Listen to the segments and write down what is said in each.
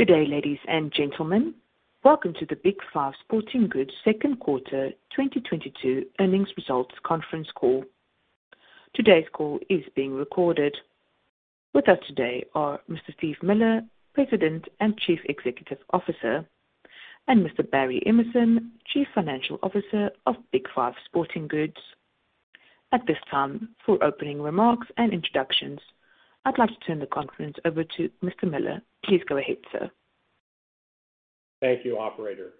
Good day, ladies and gentlemen. Welcome to the Big 5 Sporting Goods Q2 2022 Earnings Results Conference Call. Today's call is being recorded. With us today are Mr. Steve Miller, President and Chief Executive Officer, and Mr. Barry Emerson, Chief Financial Officer of Big 5 Sporting Goods. At this time, for opening remarks and introductions, I'd like to turn the conference over to Mr. Miller. Please go ahead, sir. Thank you, operator.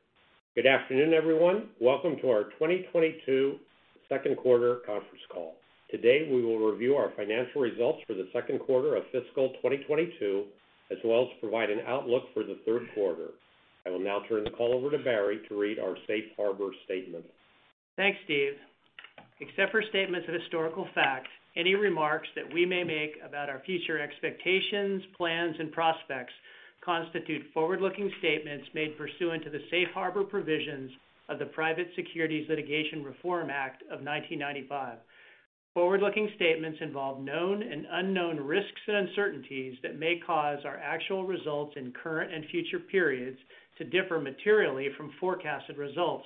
Good afternoon, everyone. Welcome to our 2022 Q2 Conference Call. Today, we will review our financial results for the Q2 of fiscal 2022, as well as provide an outlook for the Q3. I will now turn the call over to Barry to read our safe harbor statement. Thanks, Steve. Except for statements of historical fact, any remarks that we may make about our future expectations, plans, and prospects constitute forward-looking statements made pursuant to the safe harbor provisions of the Private Securities Litigation Reform Act of 1995. Forward-looking statements involve known and unknown risks and uncertainties that may cause our actual results in current and future periods to differ materially from forecasted results.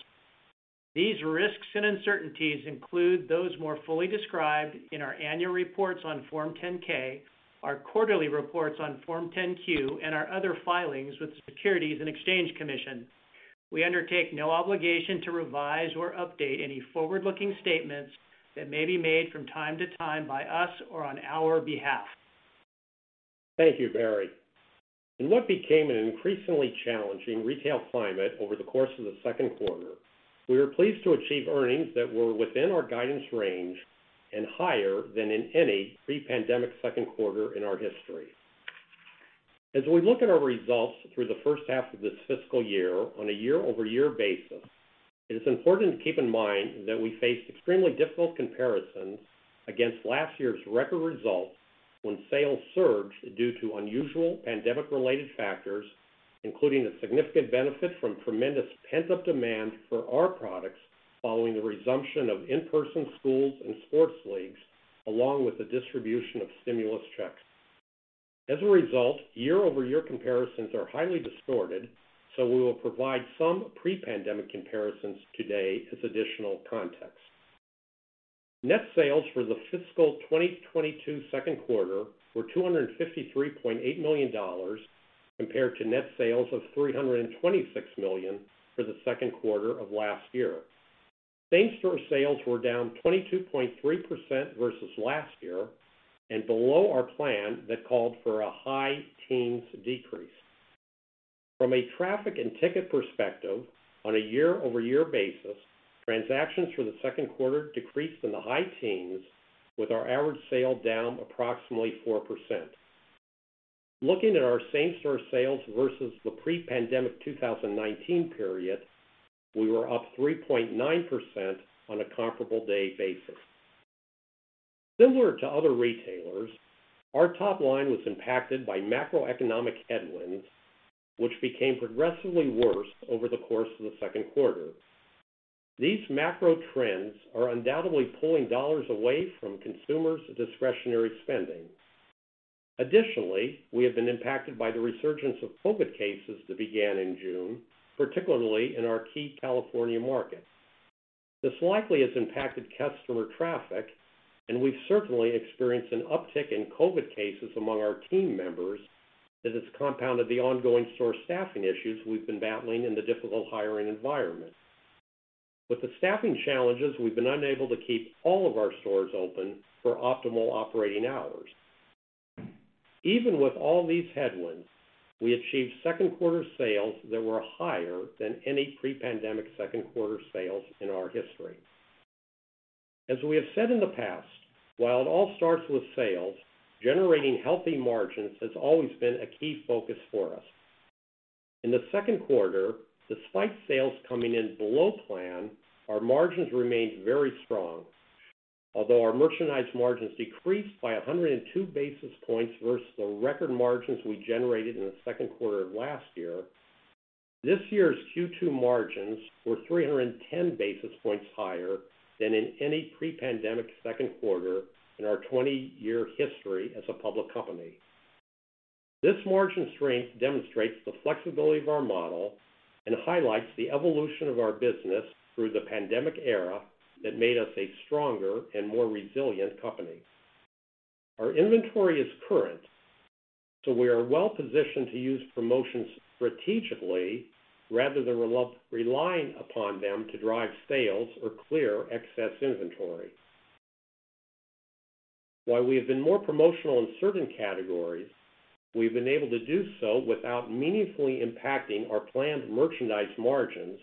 These risks and uncertainties include those more fully described in our annual reports on Form 10-K, our quarterly reports on Form 10-Q, and our other filings with the Securities and Exchange Commission. We undertake no obligation to revise or update any forward-looking statements that may be made from time to time by us or on our behalf. Thank you, Barry. In what became an increasingly challenging retail climate over the course of the Q2, we were pleased to achieve earnings that were within our guidance range and higher than in any pre-pandemic Q2 in our history. As we look at our results through the H1 of this fiscal year on a year-over-year basis, it is important to keep in mind that we faced extremely difficult comparisons against last year's record results when sales surged due to unusual pandemic-related factors, including the significant benefit from tremendous pent-up demand for our products following the resumption of in-person schools and sports leagues, along with the distribution of stimulus checks. As a result, year-over-year comparisons are highly distorted, so we will provide some pre-pandemic comparisons today as additional context. Net sales for the fiscal 2022 Q2 were $253.8 million compared to net sales of $326 million for the Q2 of last year. Same-store sales were down 22.3% versus last year and below our plan that called for a high teens decrease. From a traffic and ticket perspective, on a year-over-year basis, transactions for the Q2 decreased in the high teens with our average sale down approximately 4%. Looking at our same-store sales versus the pre-pandemic 2019 period, we were up 3.9% on a comparable day basis. Similar to other retailers, our top line was impacted by macroeconomic headwinds, which became progressively worse over the course of the Q2. These macro trends are undoubtedly pulling dollars away from consumers' discretionary spending. Additionally, we have been impacted by the resurgence of COVID cases that began in June, particularly in our key California market. This likely has impacted customer traffic, and we've certainly experienced an uptick in COVID cases among our team members that has compounded the ongoing store staffing issues we've been battling in the difficult hiring environment. With the staffing challenges, we've been unable to keep all of our stores open for optimal operating hours. Even with all these headwinds, we achieved Q2 sales that were higher than any pre-pandemic Q2 sales in our history. As we have said in the past, while it all starts with sales, generating healthy margins has always been a key focus for us. In the Q2, despite sales coming in below plan, our margins remained very strong. Although our merchandise margins decreased by 102 basis points versus the record margins we generated in the Q2 of last year, this year's Q2 margins were 310 basis points higher than in any pre-pandemic Q2 in our 20-year history as a public company. This margin strength demonstrates the flexibility of our model and highlights the evolution of our business through the pandemic era that made us a stronger and more resilient company. Our inventory is current, so we are well positioned to use promotions strategically rather than relying upon them to drive sales or clear excess inventory. While we have been more promotional in certain categories, we've been able to do so without meaningfully impacting our planned merchandise margins,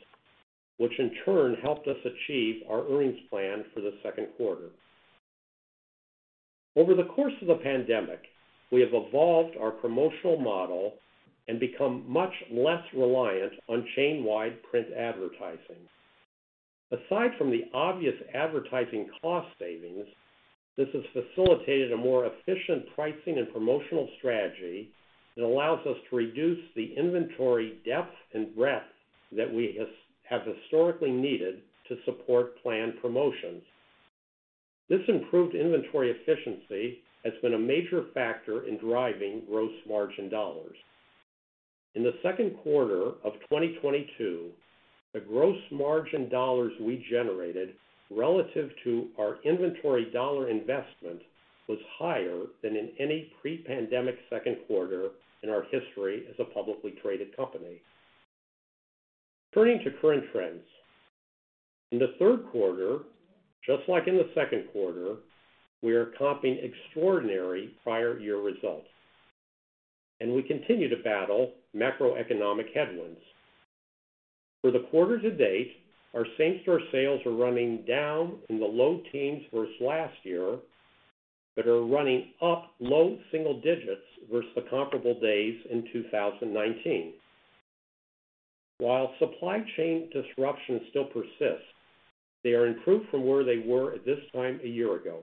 which in turn helped us achieve our earnings plan for the Q2. Over the course of the pandemic, we have evolved our promotional model and become much less reliant on chain-wide print advertising. Aside from the obvious advertising cost savings, this has facilitated a more efficient pricing and promotional strategy that allows us to reduce the inventory depth and breadth that we have historically needed to support planned promotions. This improved inventory efficiency has been a major factor in driving gross margin dollars. In the Q2 of 2022, the gross margin dollars we generated relative to our inventory dollar investment was higher than in any pre-pandemic Q2 in our history as a publicly traded company. Turning to current trends. In the Q3, just like in the Q2, we are comping extraordinary prior year results, and we continue to battle macroeconomic headwinds. For the quarter to date, our same-store sales are running down in the low teens versus last year, but are running up low single digits versus the comparable days in 2019. While supply chain disruptions still persist, they are improved from where they were at this time a year ago.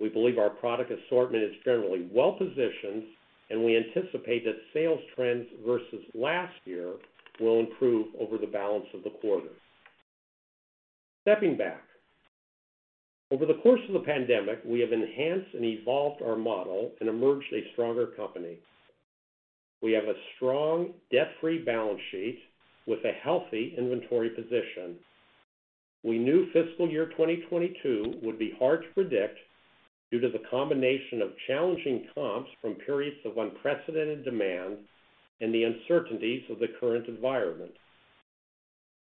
We believe our product assortment is generally well-positioned, and we anticipate that sales trends versus last year will improve over the balance of the quarter. Stepping back. Over the course of the pandemic, we have enhanced and evolved our model and emerged a stronger company. We have a strong, debt-free balance sheet with a healthy inventory position. We knew fiscal year 2022 would be hard to predict due to the combination of challenging comps from periods of unprecedented demand and the uncertainties of the current environment.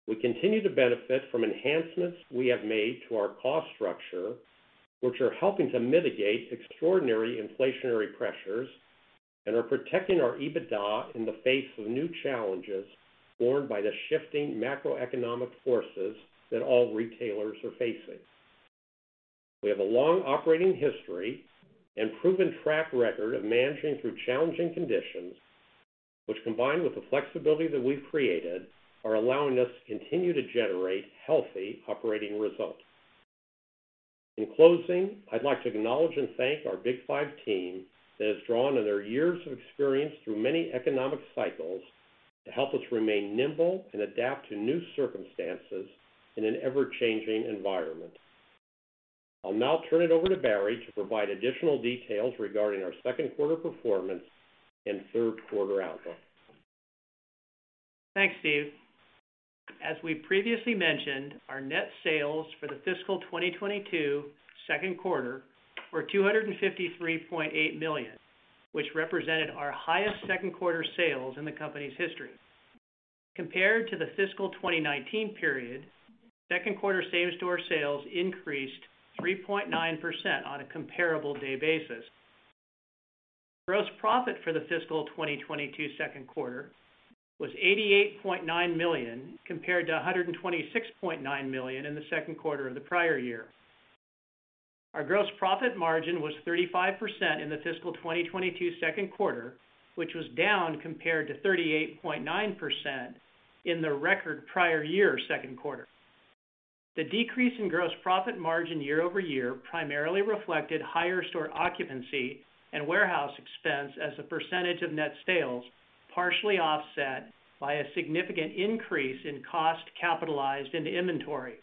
We continue to benefit from enhancements we have made to our cost structure, which are helping to mitigate extraordinary inflationary pressures and are protecting our EBITDA in the face of new challenges borne by the shifting macroeconomic forces that all retailers are facing. We have a long operating history and proven track record of managing through challenging conditions, which, combined with the flexibility that we've created, are allowing us to continue to generate healthy operating results. In closing, I'd like to acknowledge and thank our Big 5 team that has drawn on their years of experience through many economic cycles to help us remain nimble and adapt to new circumstances in an ever-changing environment. I'll now turn it over to Barry to provide additional details regarding our Q2 performance and Q3 outlook. Thanks, Steve. As we previously mentioned, our net sales for the fiscal 2022 Q2 were $253.8 million, which represented our highest Q2 sales in the company's history. Compared to the fiscal 2019 period, Q2 same-store sales increased 3.9% on a comparable day basis. Gross profit for the fiscal 2022 Q2 was $88.9 million, compared to $126.9 million in the Q2 of the prior year. Our gross profit margin was 35% in the fiscal 2022 Q2, which was down compared to 38.9% in the record prior year Q2. The decrease in gross profit margin year-over-year primarily reflected higher store occupancy and warehouse expense as a percentage of net sales, partially offset by a significant increase in cost capitalized into inventory.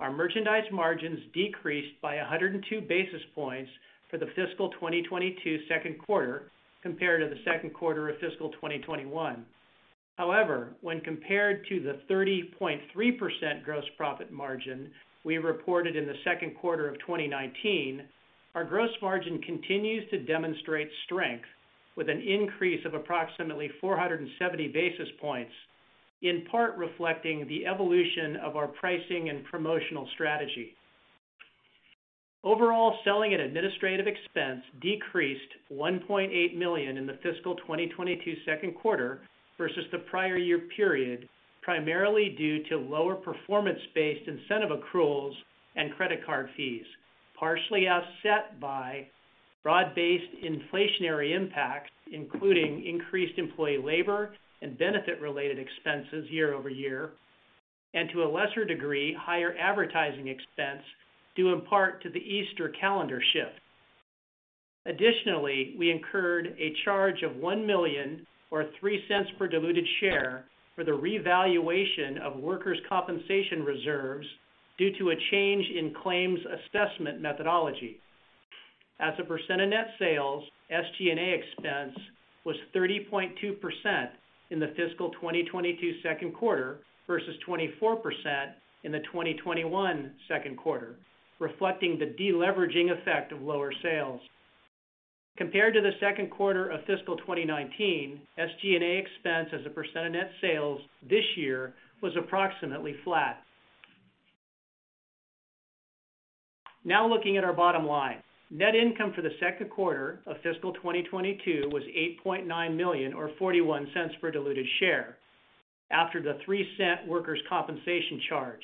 Our merchandise margins decreased by 102 basis points for the fiscal 2022 Q2 compared to the Q2 of fiscal 2021. However, when compared to the 30.3% gross profit margin we reported in the Q2 of 2019, our gross margin continues to demonstrate strength with an increase of approximately 470 basis points, in part reflecting the evolution of our pricing and promotional strategy. Overall, selling and administrative expense decreased $1.8 million in the fiscal 2022 Q2 versus the prior year period, primarily due to lower performance-based incentive accruals and credit card fees, partially offset by broad-based inflationary impacts, including increased employee labor and benefit-related expenses year-over-year, and to a lesser degree, higher advertising expense due in part to the Easter calendar shift. Additionally, we incurred a charge of $1 million or $0.03 per diluted share for the revaluation of workers' compensation reserves due to a change in claims assessment methodology. As a percent of net sales, SG&A expense was 30.2% in the fiscal 2022 Q2 versus 24% in the 2021 Q2, reflecting the deleveraging effect of lower sales. Compared to the Q2 of fiscal 2019, SG&A expense as a percent of net sales this year was approximately flat. Now looking at our bottom line. Net income for the Q2 of fiscal 2022 was $8.9 million or $0.41 per diluted share after the $0.03 workers' compensation charge.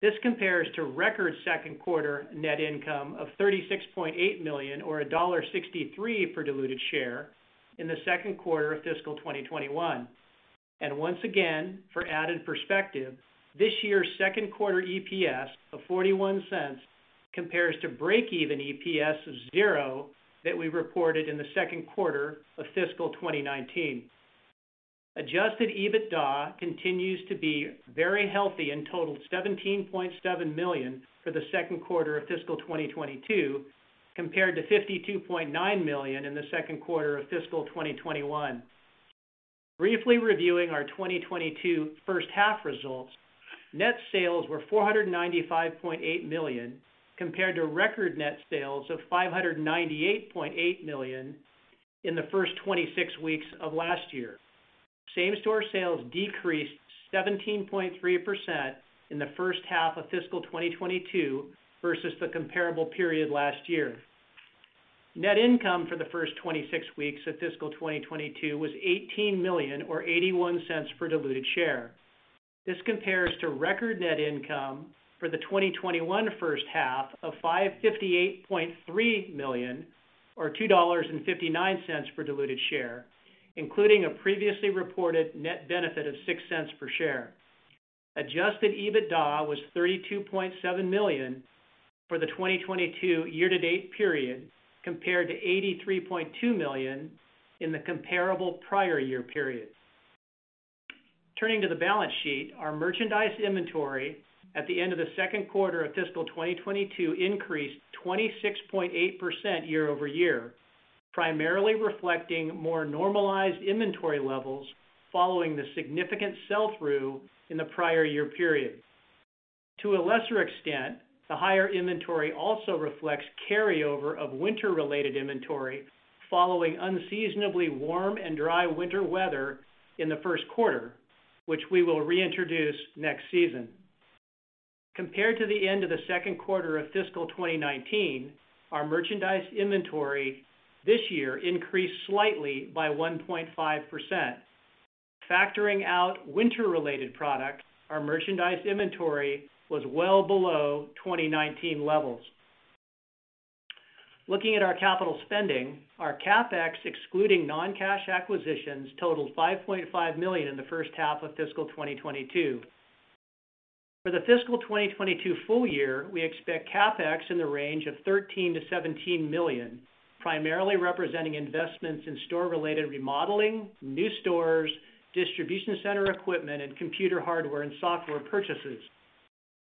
This compares to record Q2 net income of $36.8 million or $1.63 per diluted share in the Q2 of fiscal 2021. Once again, for added perspective, this year's Q2 EPS of $0.41 compares to breakeven EPS of 0 that we reported in the Q2 of fiscal 2019. Adjusted EBITDA continues to be very healthy and totaled $17.7 million for the Q2 of fiscal 2022, compared to $52.9 million in the Q2 of fiscal 2021. Briefly reviewing our 2022 H1 results, net sales were $495.8 million, compared to record net sales of $598.8 million in the first 26 weeks of last year. Same-store sales decreased 17.3% in the H1 of fiscal 2022 versus the comparable period last year. Net income for the first 26 weeks of fiscal 2022 was $18 million or $0.81 per diluted share. This compares to record net income for the 2021 H1 of $558.3 million or $2.59 per diluted share, including a previously reported net benefit of $0.06 per share. Adjusted EBITDA was $32.7 million for the 2022 year-to-date period, compared to $83.2 million in the comparable prior year period. Turning to the balance sheet, our merchandise inventory at the end of the Q2 of fiscal 2022 increased 26.8% year-over-year, primarily reflecting more normalized inventory levels following the significant sell-through in the prior year period. To a lesser extent, the higher inventory also reflects carryover of winter-related inventory following unseasonably warm and dry winter weather in the Q1, which we will reintroduce next season. Compared to the end of the Q2 of fiscal 2019, our merchandise inventory this year increased slightly by 1.5%. Factoring out winter-related products, our merchandise inventory was well below 2019 levels. Looking at our capital spending, our CapEx, excluding non-cash acquisitions, totaled $5.5 million in the H1 of fiscal 2022. For the fiscal 2022 full year, we expect CapEx in the range of $13-$17 million, primarily representing investments in store-related remodeling, new stores, distribution center equipment, and computer hardware and software purchases.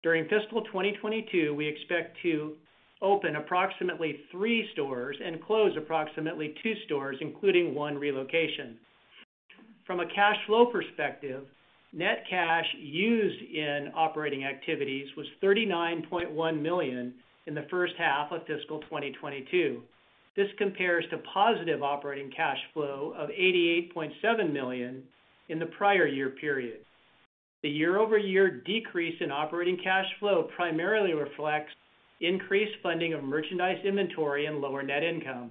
During fiscal 2022, we expect to open approximately 3 stores and close approximately 2 stores, including one relocation. From a cash flow perspective, net cash used in operating activities was $39.1 million in the H1 of fiscal 2022. This compares to positive operating cash flow of $88.7 million in the prior year period. The year-over-year decrease in operating cash flow primarily reflects increased funding of merchandise inventory and lower net income.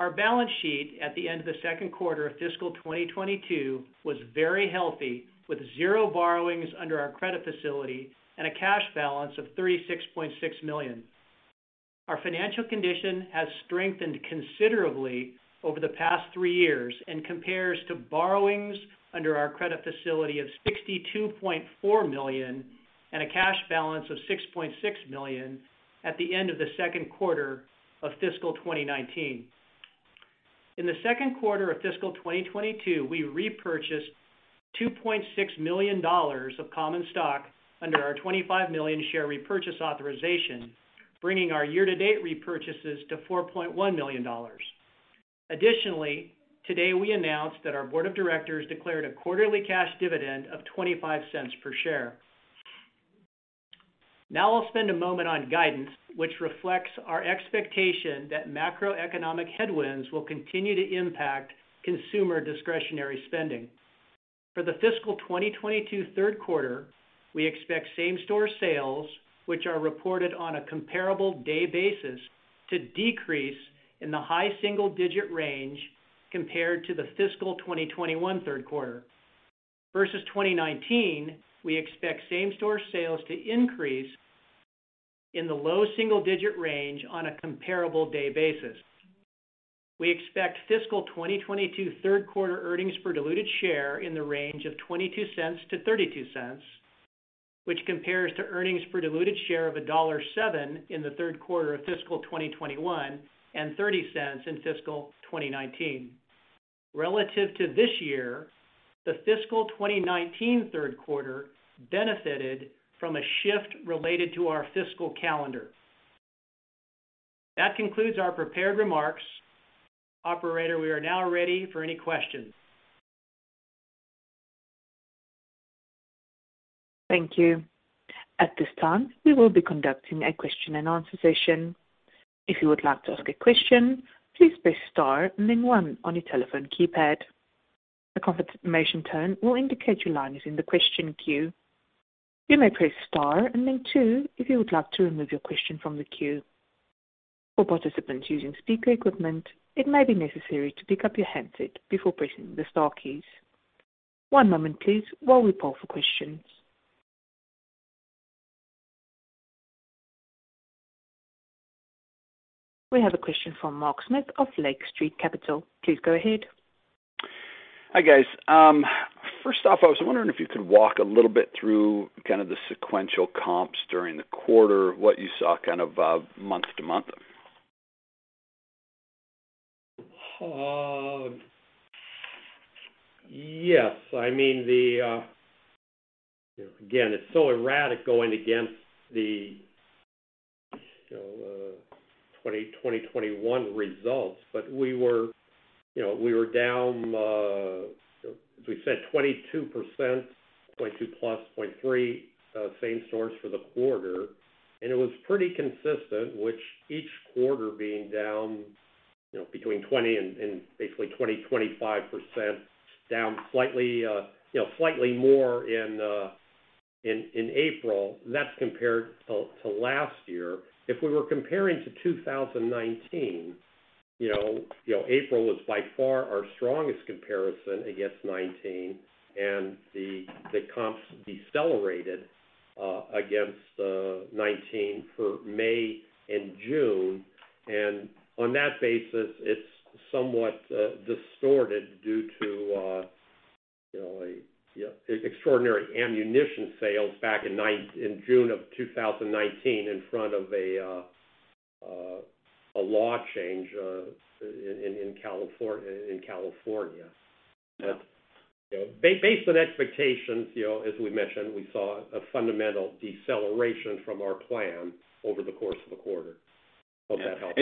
Our balance sheet at the end of the Q2 of fiscal 2022 was very healthy, with 0 borrowings under our credit facility and a cash balance of $36.6 million. Our financial condition has strengthened considerably over the past three years and compares to borrowings under our credit facility of $62.4 million and a cash balance of $6.6 million at the end of the Q2 of fiscal 2019. In the Q2 of fiscal 2022, we repurchased $2.6 million of common stock under our 25 million share repurchase authorization, bringing our year-to-date repurchases to $4.1 million. Additionally, today we announced that our board of directors declared a quarterly cash dividend of $0.25 per share. Now I'll spend a moment on guidance, which reflects our expectation that macroeconomic headwinds will continue to impact consumer discretionary spending. For the fiscal 2022 Q3, we expect same-store sales, which are reported on a comparable day basis, to decrease in the high single-digit range compared to the fiscal 2021 Q3. Versus 2019, we expect same-store sales to increase in the low single-digit range on a comparable day basis. We expect fiscal 2022 Q3 earnings per diluted share in the range of $0.22-$0.32, which compares to earnings per diluted share of $1.07 in the Q3 of fiscal 2021 and $0.30 in fiscal 2019. Relative to this year, the fiscal 2019 Q3 benefited from a shift related to our fiscal calendar. That concludes our prepared remarks. Operator, we are now ready for any questions. Thank you. At this time, we will be conducting a question-and-answer session. If you would like to ask a question, please press star and then one on your telephone keypad. A confirmation tone will indicate your line is in the question queue. You may press star and then two if you would like to remove your question from the queue. For participants using speaker equipment, it may be necessary to pick up your handset before pressing the star keys. One moment please while we poll for questions. We have a question from Mark Smith of Lake Street Capital Markets. Please go ahead. Hi, guys. First off, I was wondering if you could walk a little bit through kind of the sequential comps during the quarter, what you saw kind of, month-to-month? Yes. I mean, you know, again, it's so erratic going against the 2021 results. We were down, as we said, 22%, 0.2% plus 0.3% same stores for the quarter. It was pretty consistent, with each quarter being down, you know, between 20% and basically 25% down slightly, you know, slightly more in April. That's compared to last year. If we were comparing to 2019, you know, April was by far our strongest comparison against 2019 and the comps decelerated against 2019 for May and June. On that basis, it's somewhat distorted due to you know a you know extraordinary ammunition sales back in June of 2019 in front of a law change in California. Yeah. You know, based on expectations, you know, as we mentioned, we saw a fundamental deceleration from our plan over the course of the quarter. Hope that helps.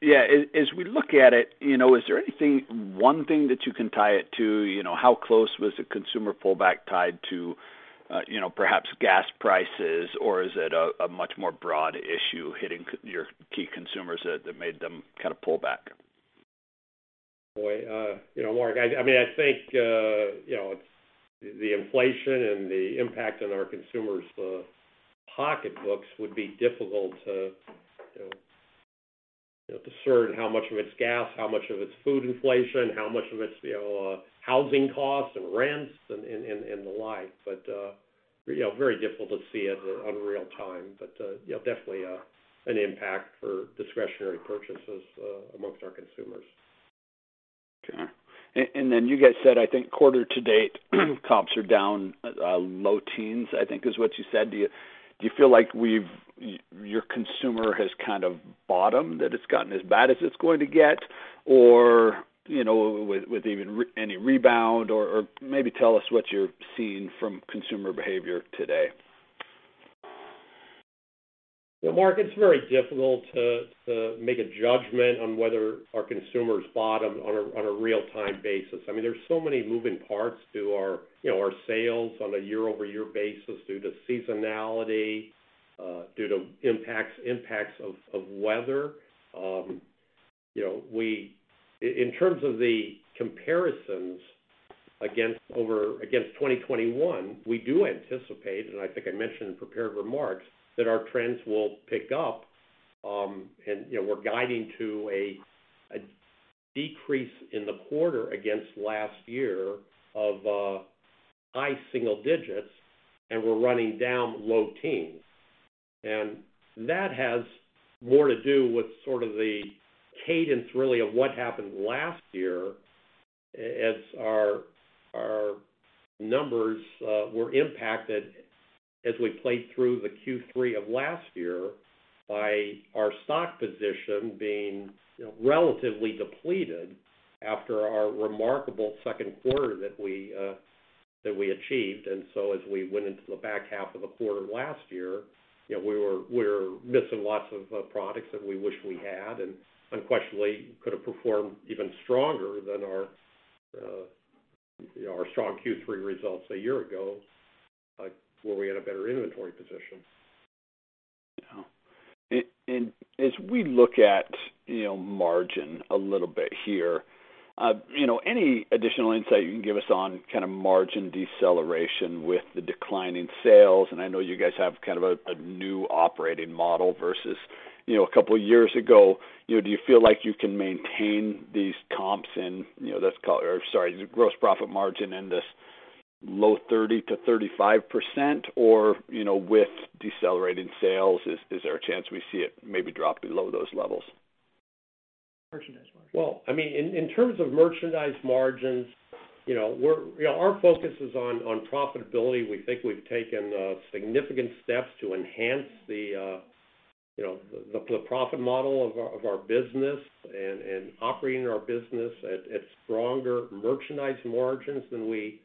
Yeah. As we look at it, you know, is there anything, one thing that you can tie it to? You know, how close was the consumer pullback tied to, you know, perhaps gas prices? Or is it a much more broad issue hitting your key consumers that made them kind of pull back? Boy, you know, Mark, I mean, I think, you know, it's the inflation and the impact on our consumers' pocketbooks would be difficult to, you know, discern how much of it's gas, how much of it's food inflation, how much of it's, you know, housing costs and rents and the like. You know, very difficult to see it in real time. You know, definitely an impact for discretionary purchases among our consumers. Sure. Then you guys said, I think quarter to date comps are down low teens, I think is what you said. Do you feel like your consumer has kind of bottomed, that it's gotten as bad as it's going to get? You know, with any rebound or maybe tell us what you're seeing from consumer behavior today. You know, Mark, it's very difficult to make a judgment on whether our consumers bottom on a real time basis. I mean, there's so many moving parts to our, you know, our sales on a year-over-year basis due to seasonality, due to impacts of weather. In terms of the comparisons against 2021, we do anticipate, and I think I mentioned in prepared remarks, that our trends will pick up. You know, we're guiding to a decrease in the quarter against last year of high single digits, and we're running down low teens. That has more to do with sort of the cadence really of what happened last year as our numbers were impacted as we played through the Q3 of last year by our stock position being, you know, relatively depleted after our remarkable Q2 that we achieved. So as we went into the back half of the quarter last year, you know, we were missing lots of products that we wish we had, and unquestionably could have performed even stronger than our, you know, our strong Q3 results a year ago, where we had a better inventory position. Yeah. As we look at, you know, margin a little bit here, you know, any additional insight you can give us on kind of margin deceleration with the decline in sales? I know you guys have kind of a new operating model versus, you know, a couple of years ago. You know, do you feel like you can maintain these comps and the gross profit margin in this low 30%-35%? Or, you know, with decelerating sales, is there a chance we see it maybe drop below those levels? Merchandise margins. Well, I mean, in terms of merchandise margins, you know, you know, our focus is on profitability. We think we've taken significant steps to enhance you know, the profit model of our business and operating our business at stronger merchandise margins than we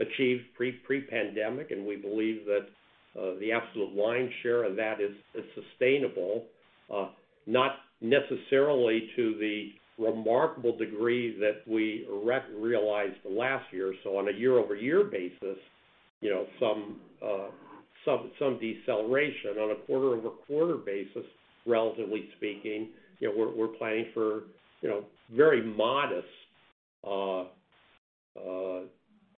achieved pre-pandemic. We believe that the absolute lion's share of that is sustainable, not necessarily to the remarkable degree that we realized last year. On a year-over-year basis, you know, some deceleration. On a quarter-over-quarter basis, relatively speaking, you know, we're planning for, you know, very modest,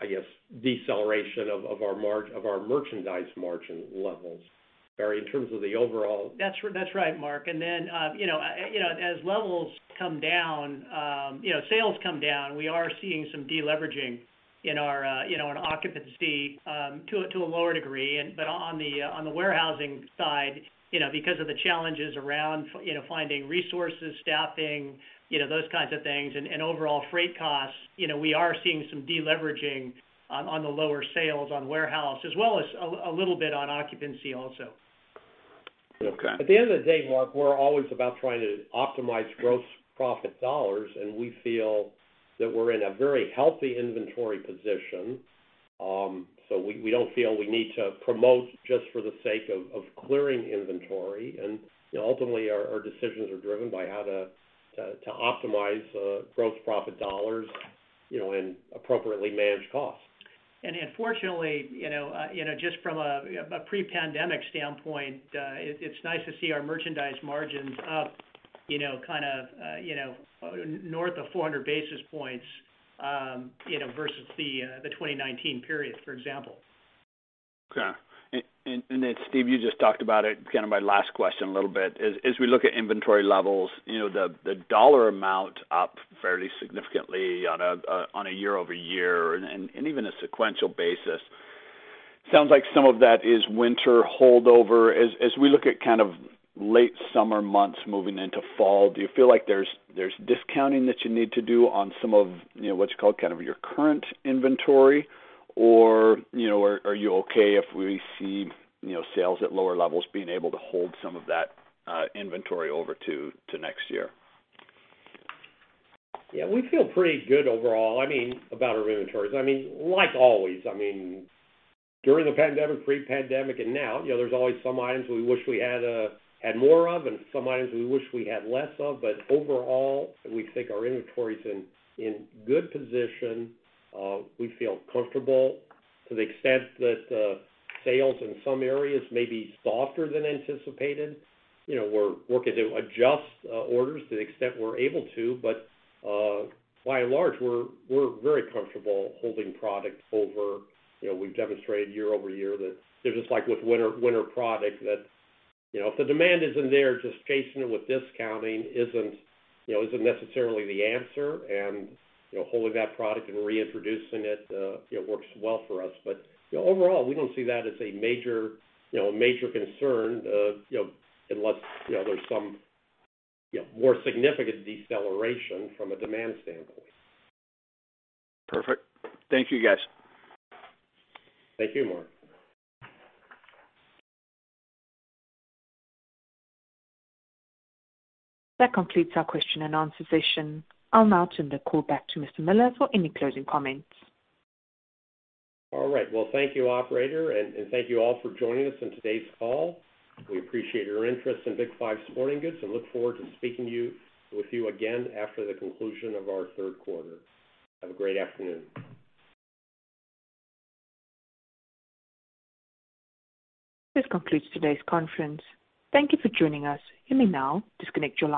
I guess, deceleration of our merchandise margin levels. Barry, in terms of the overall. That's right, Mark. You know, as levels come down, you know, sales come down, we are seeing some deleveraging in our, you know, on occupancy, to a lower degree. On the warehousing side, you know, because of the challenges around finding resources, staffing, you know, those kinds of things and overall freight costs. You know, we are seeing some deleveraging on the lower sales on warehousing as well as a little bit on occupancy also. At the end of the day, Mark, we're always about trying to optimize gross profit dollars, and we feel that we're in a very healthy inventory position. We don't feel we need to promote just for the sake of clearing inventory. Ultimately, our decisions are driven by how to optimize gross profit dollars, you know, and appropriately manage costs. Unfortunately, you know, just from a pre-pandemic standpoint, it's nice to see our merchandise margins up, you know, kind of, you know, north of 400 basis points, you know, versus the 2019 period, for example. Okay. Steve, you just talked about it, kind of my last question a little bit. As we look at inventory levels, you know, the dollar amount up fairly significantly on a year-over-year and even a sequential basis. Sounds like some of that is winter holdover. As we look at kind of late summer months moving into fall, do you feel like there's discounting that you need to do on some of, you know, what you call kind of your current inventory? You know, are you okay if we see, you know, sales at lower levels being able to hold some of that inventory over to next year? Yeah, we feel pretty good overall. I mean, about our inventories. I mean, like always, I mean, during the pandemic, pre-pandemic, and now, you know, there's always some items we wish we had more of and some items we wish we had less of. Overall, we think our inventory's in good position. We feel comfortable to the extent that sales in some areas may be softer than anticipated. You know, we're working to adjust orders to the extent we're able to. By and large, we're very comfortable holding product over. You know, we've demonstrated year-over-year that just like with winter product that, you know, if the demand isn't there, just chasing it with discounting isn't, you know, isn't necessarily the answer. You know, holding that product and reintroducing it, you know, works well for us. You know, overall, we don't see that as a major, you know, major concern, you know, unless, you know, there's some, you know, more significant deceleration from a demand standpoint. Perfect. Thank you, guys. Thank you, Mark. That completes our question and answer session. I'll now turn the call back to Mr. Miller for any closing comments. All right. Well, thank you, operator, and thank you all for joining us on today's call. We appreciate your interest in Big 5 Sporting Goods and look forward to speaking with you again after the conclusion of our Q3. Have a great afternoon. This concludes today's conference. Thank you for joining us. You may now disconnect your line.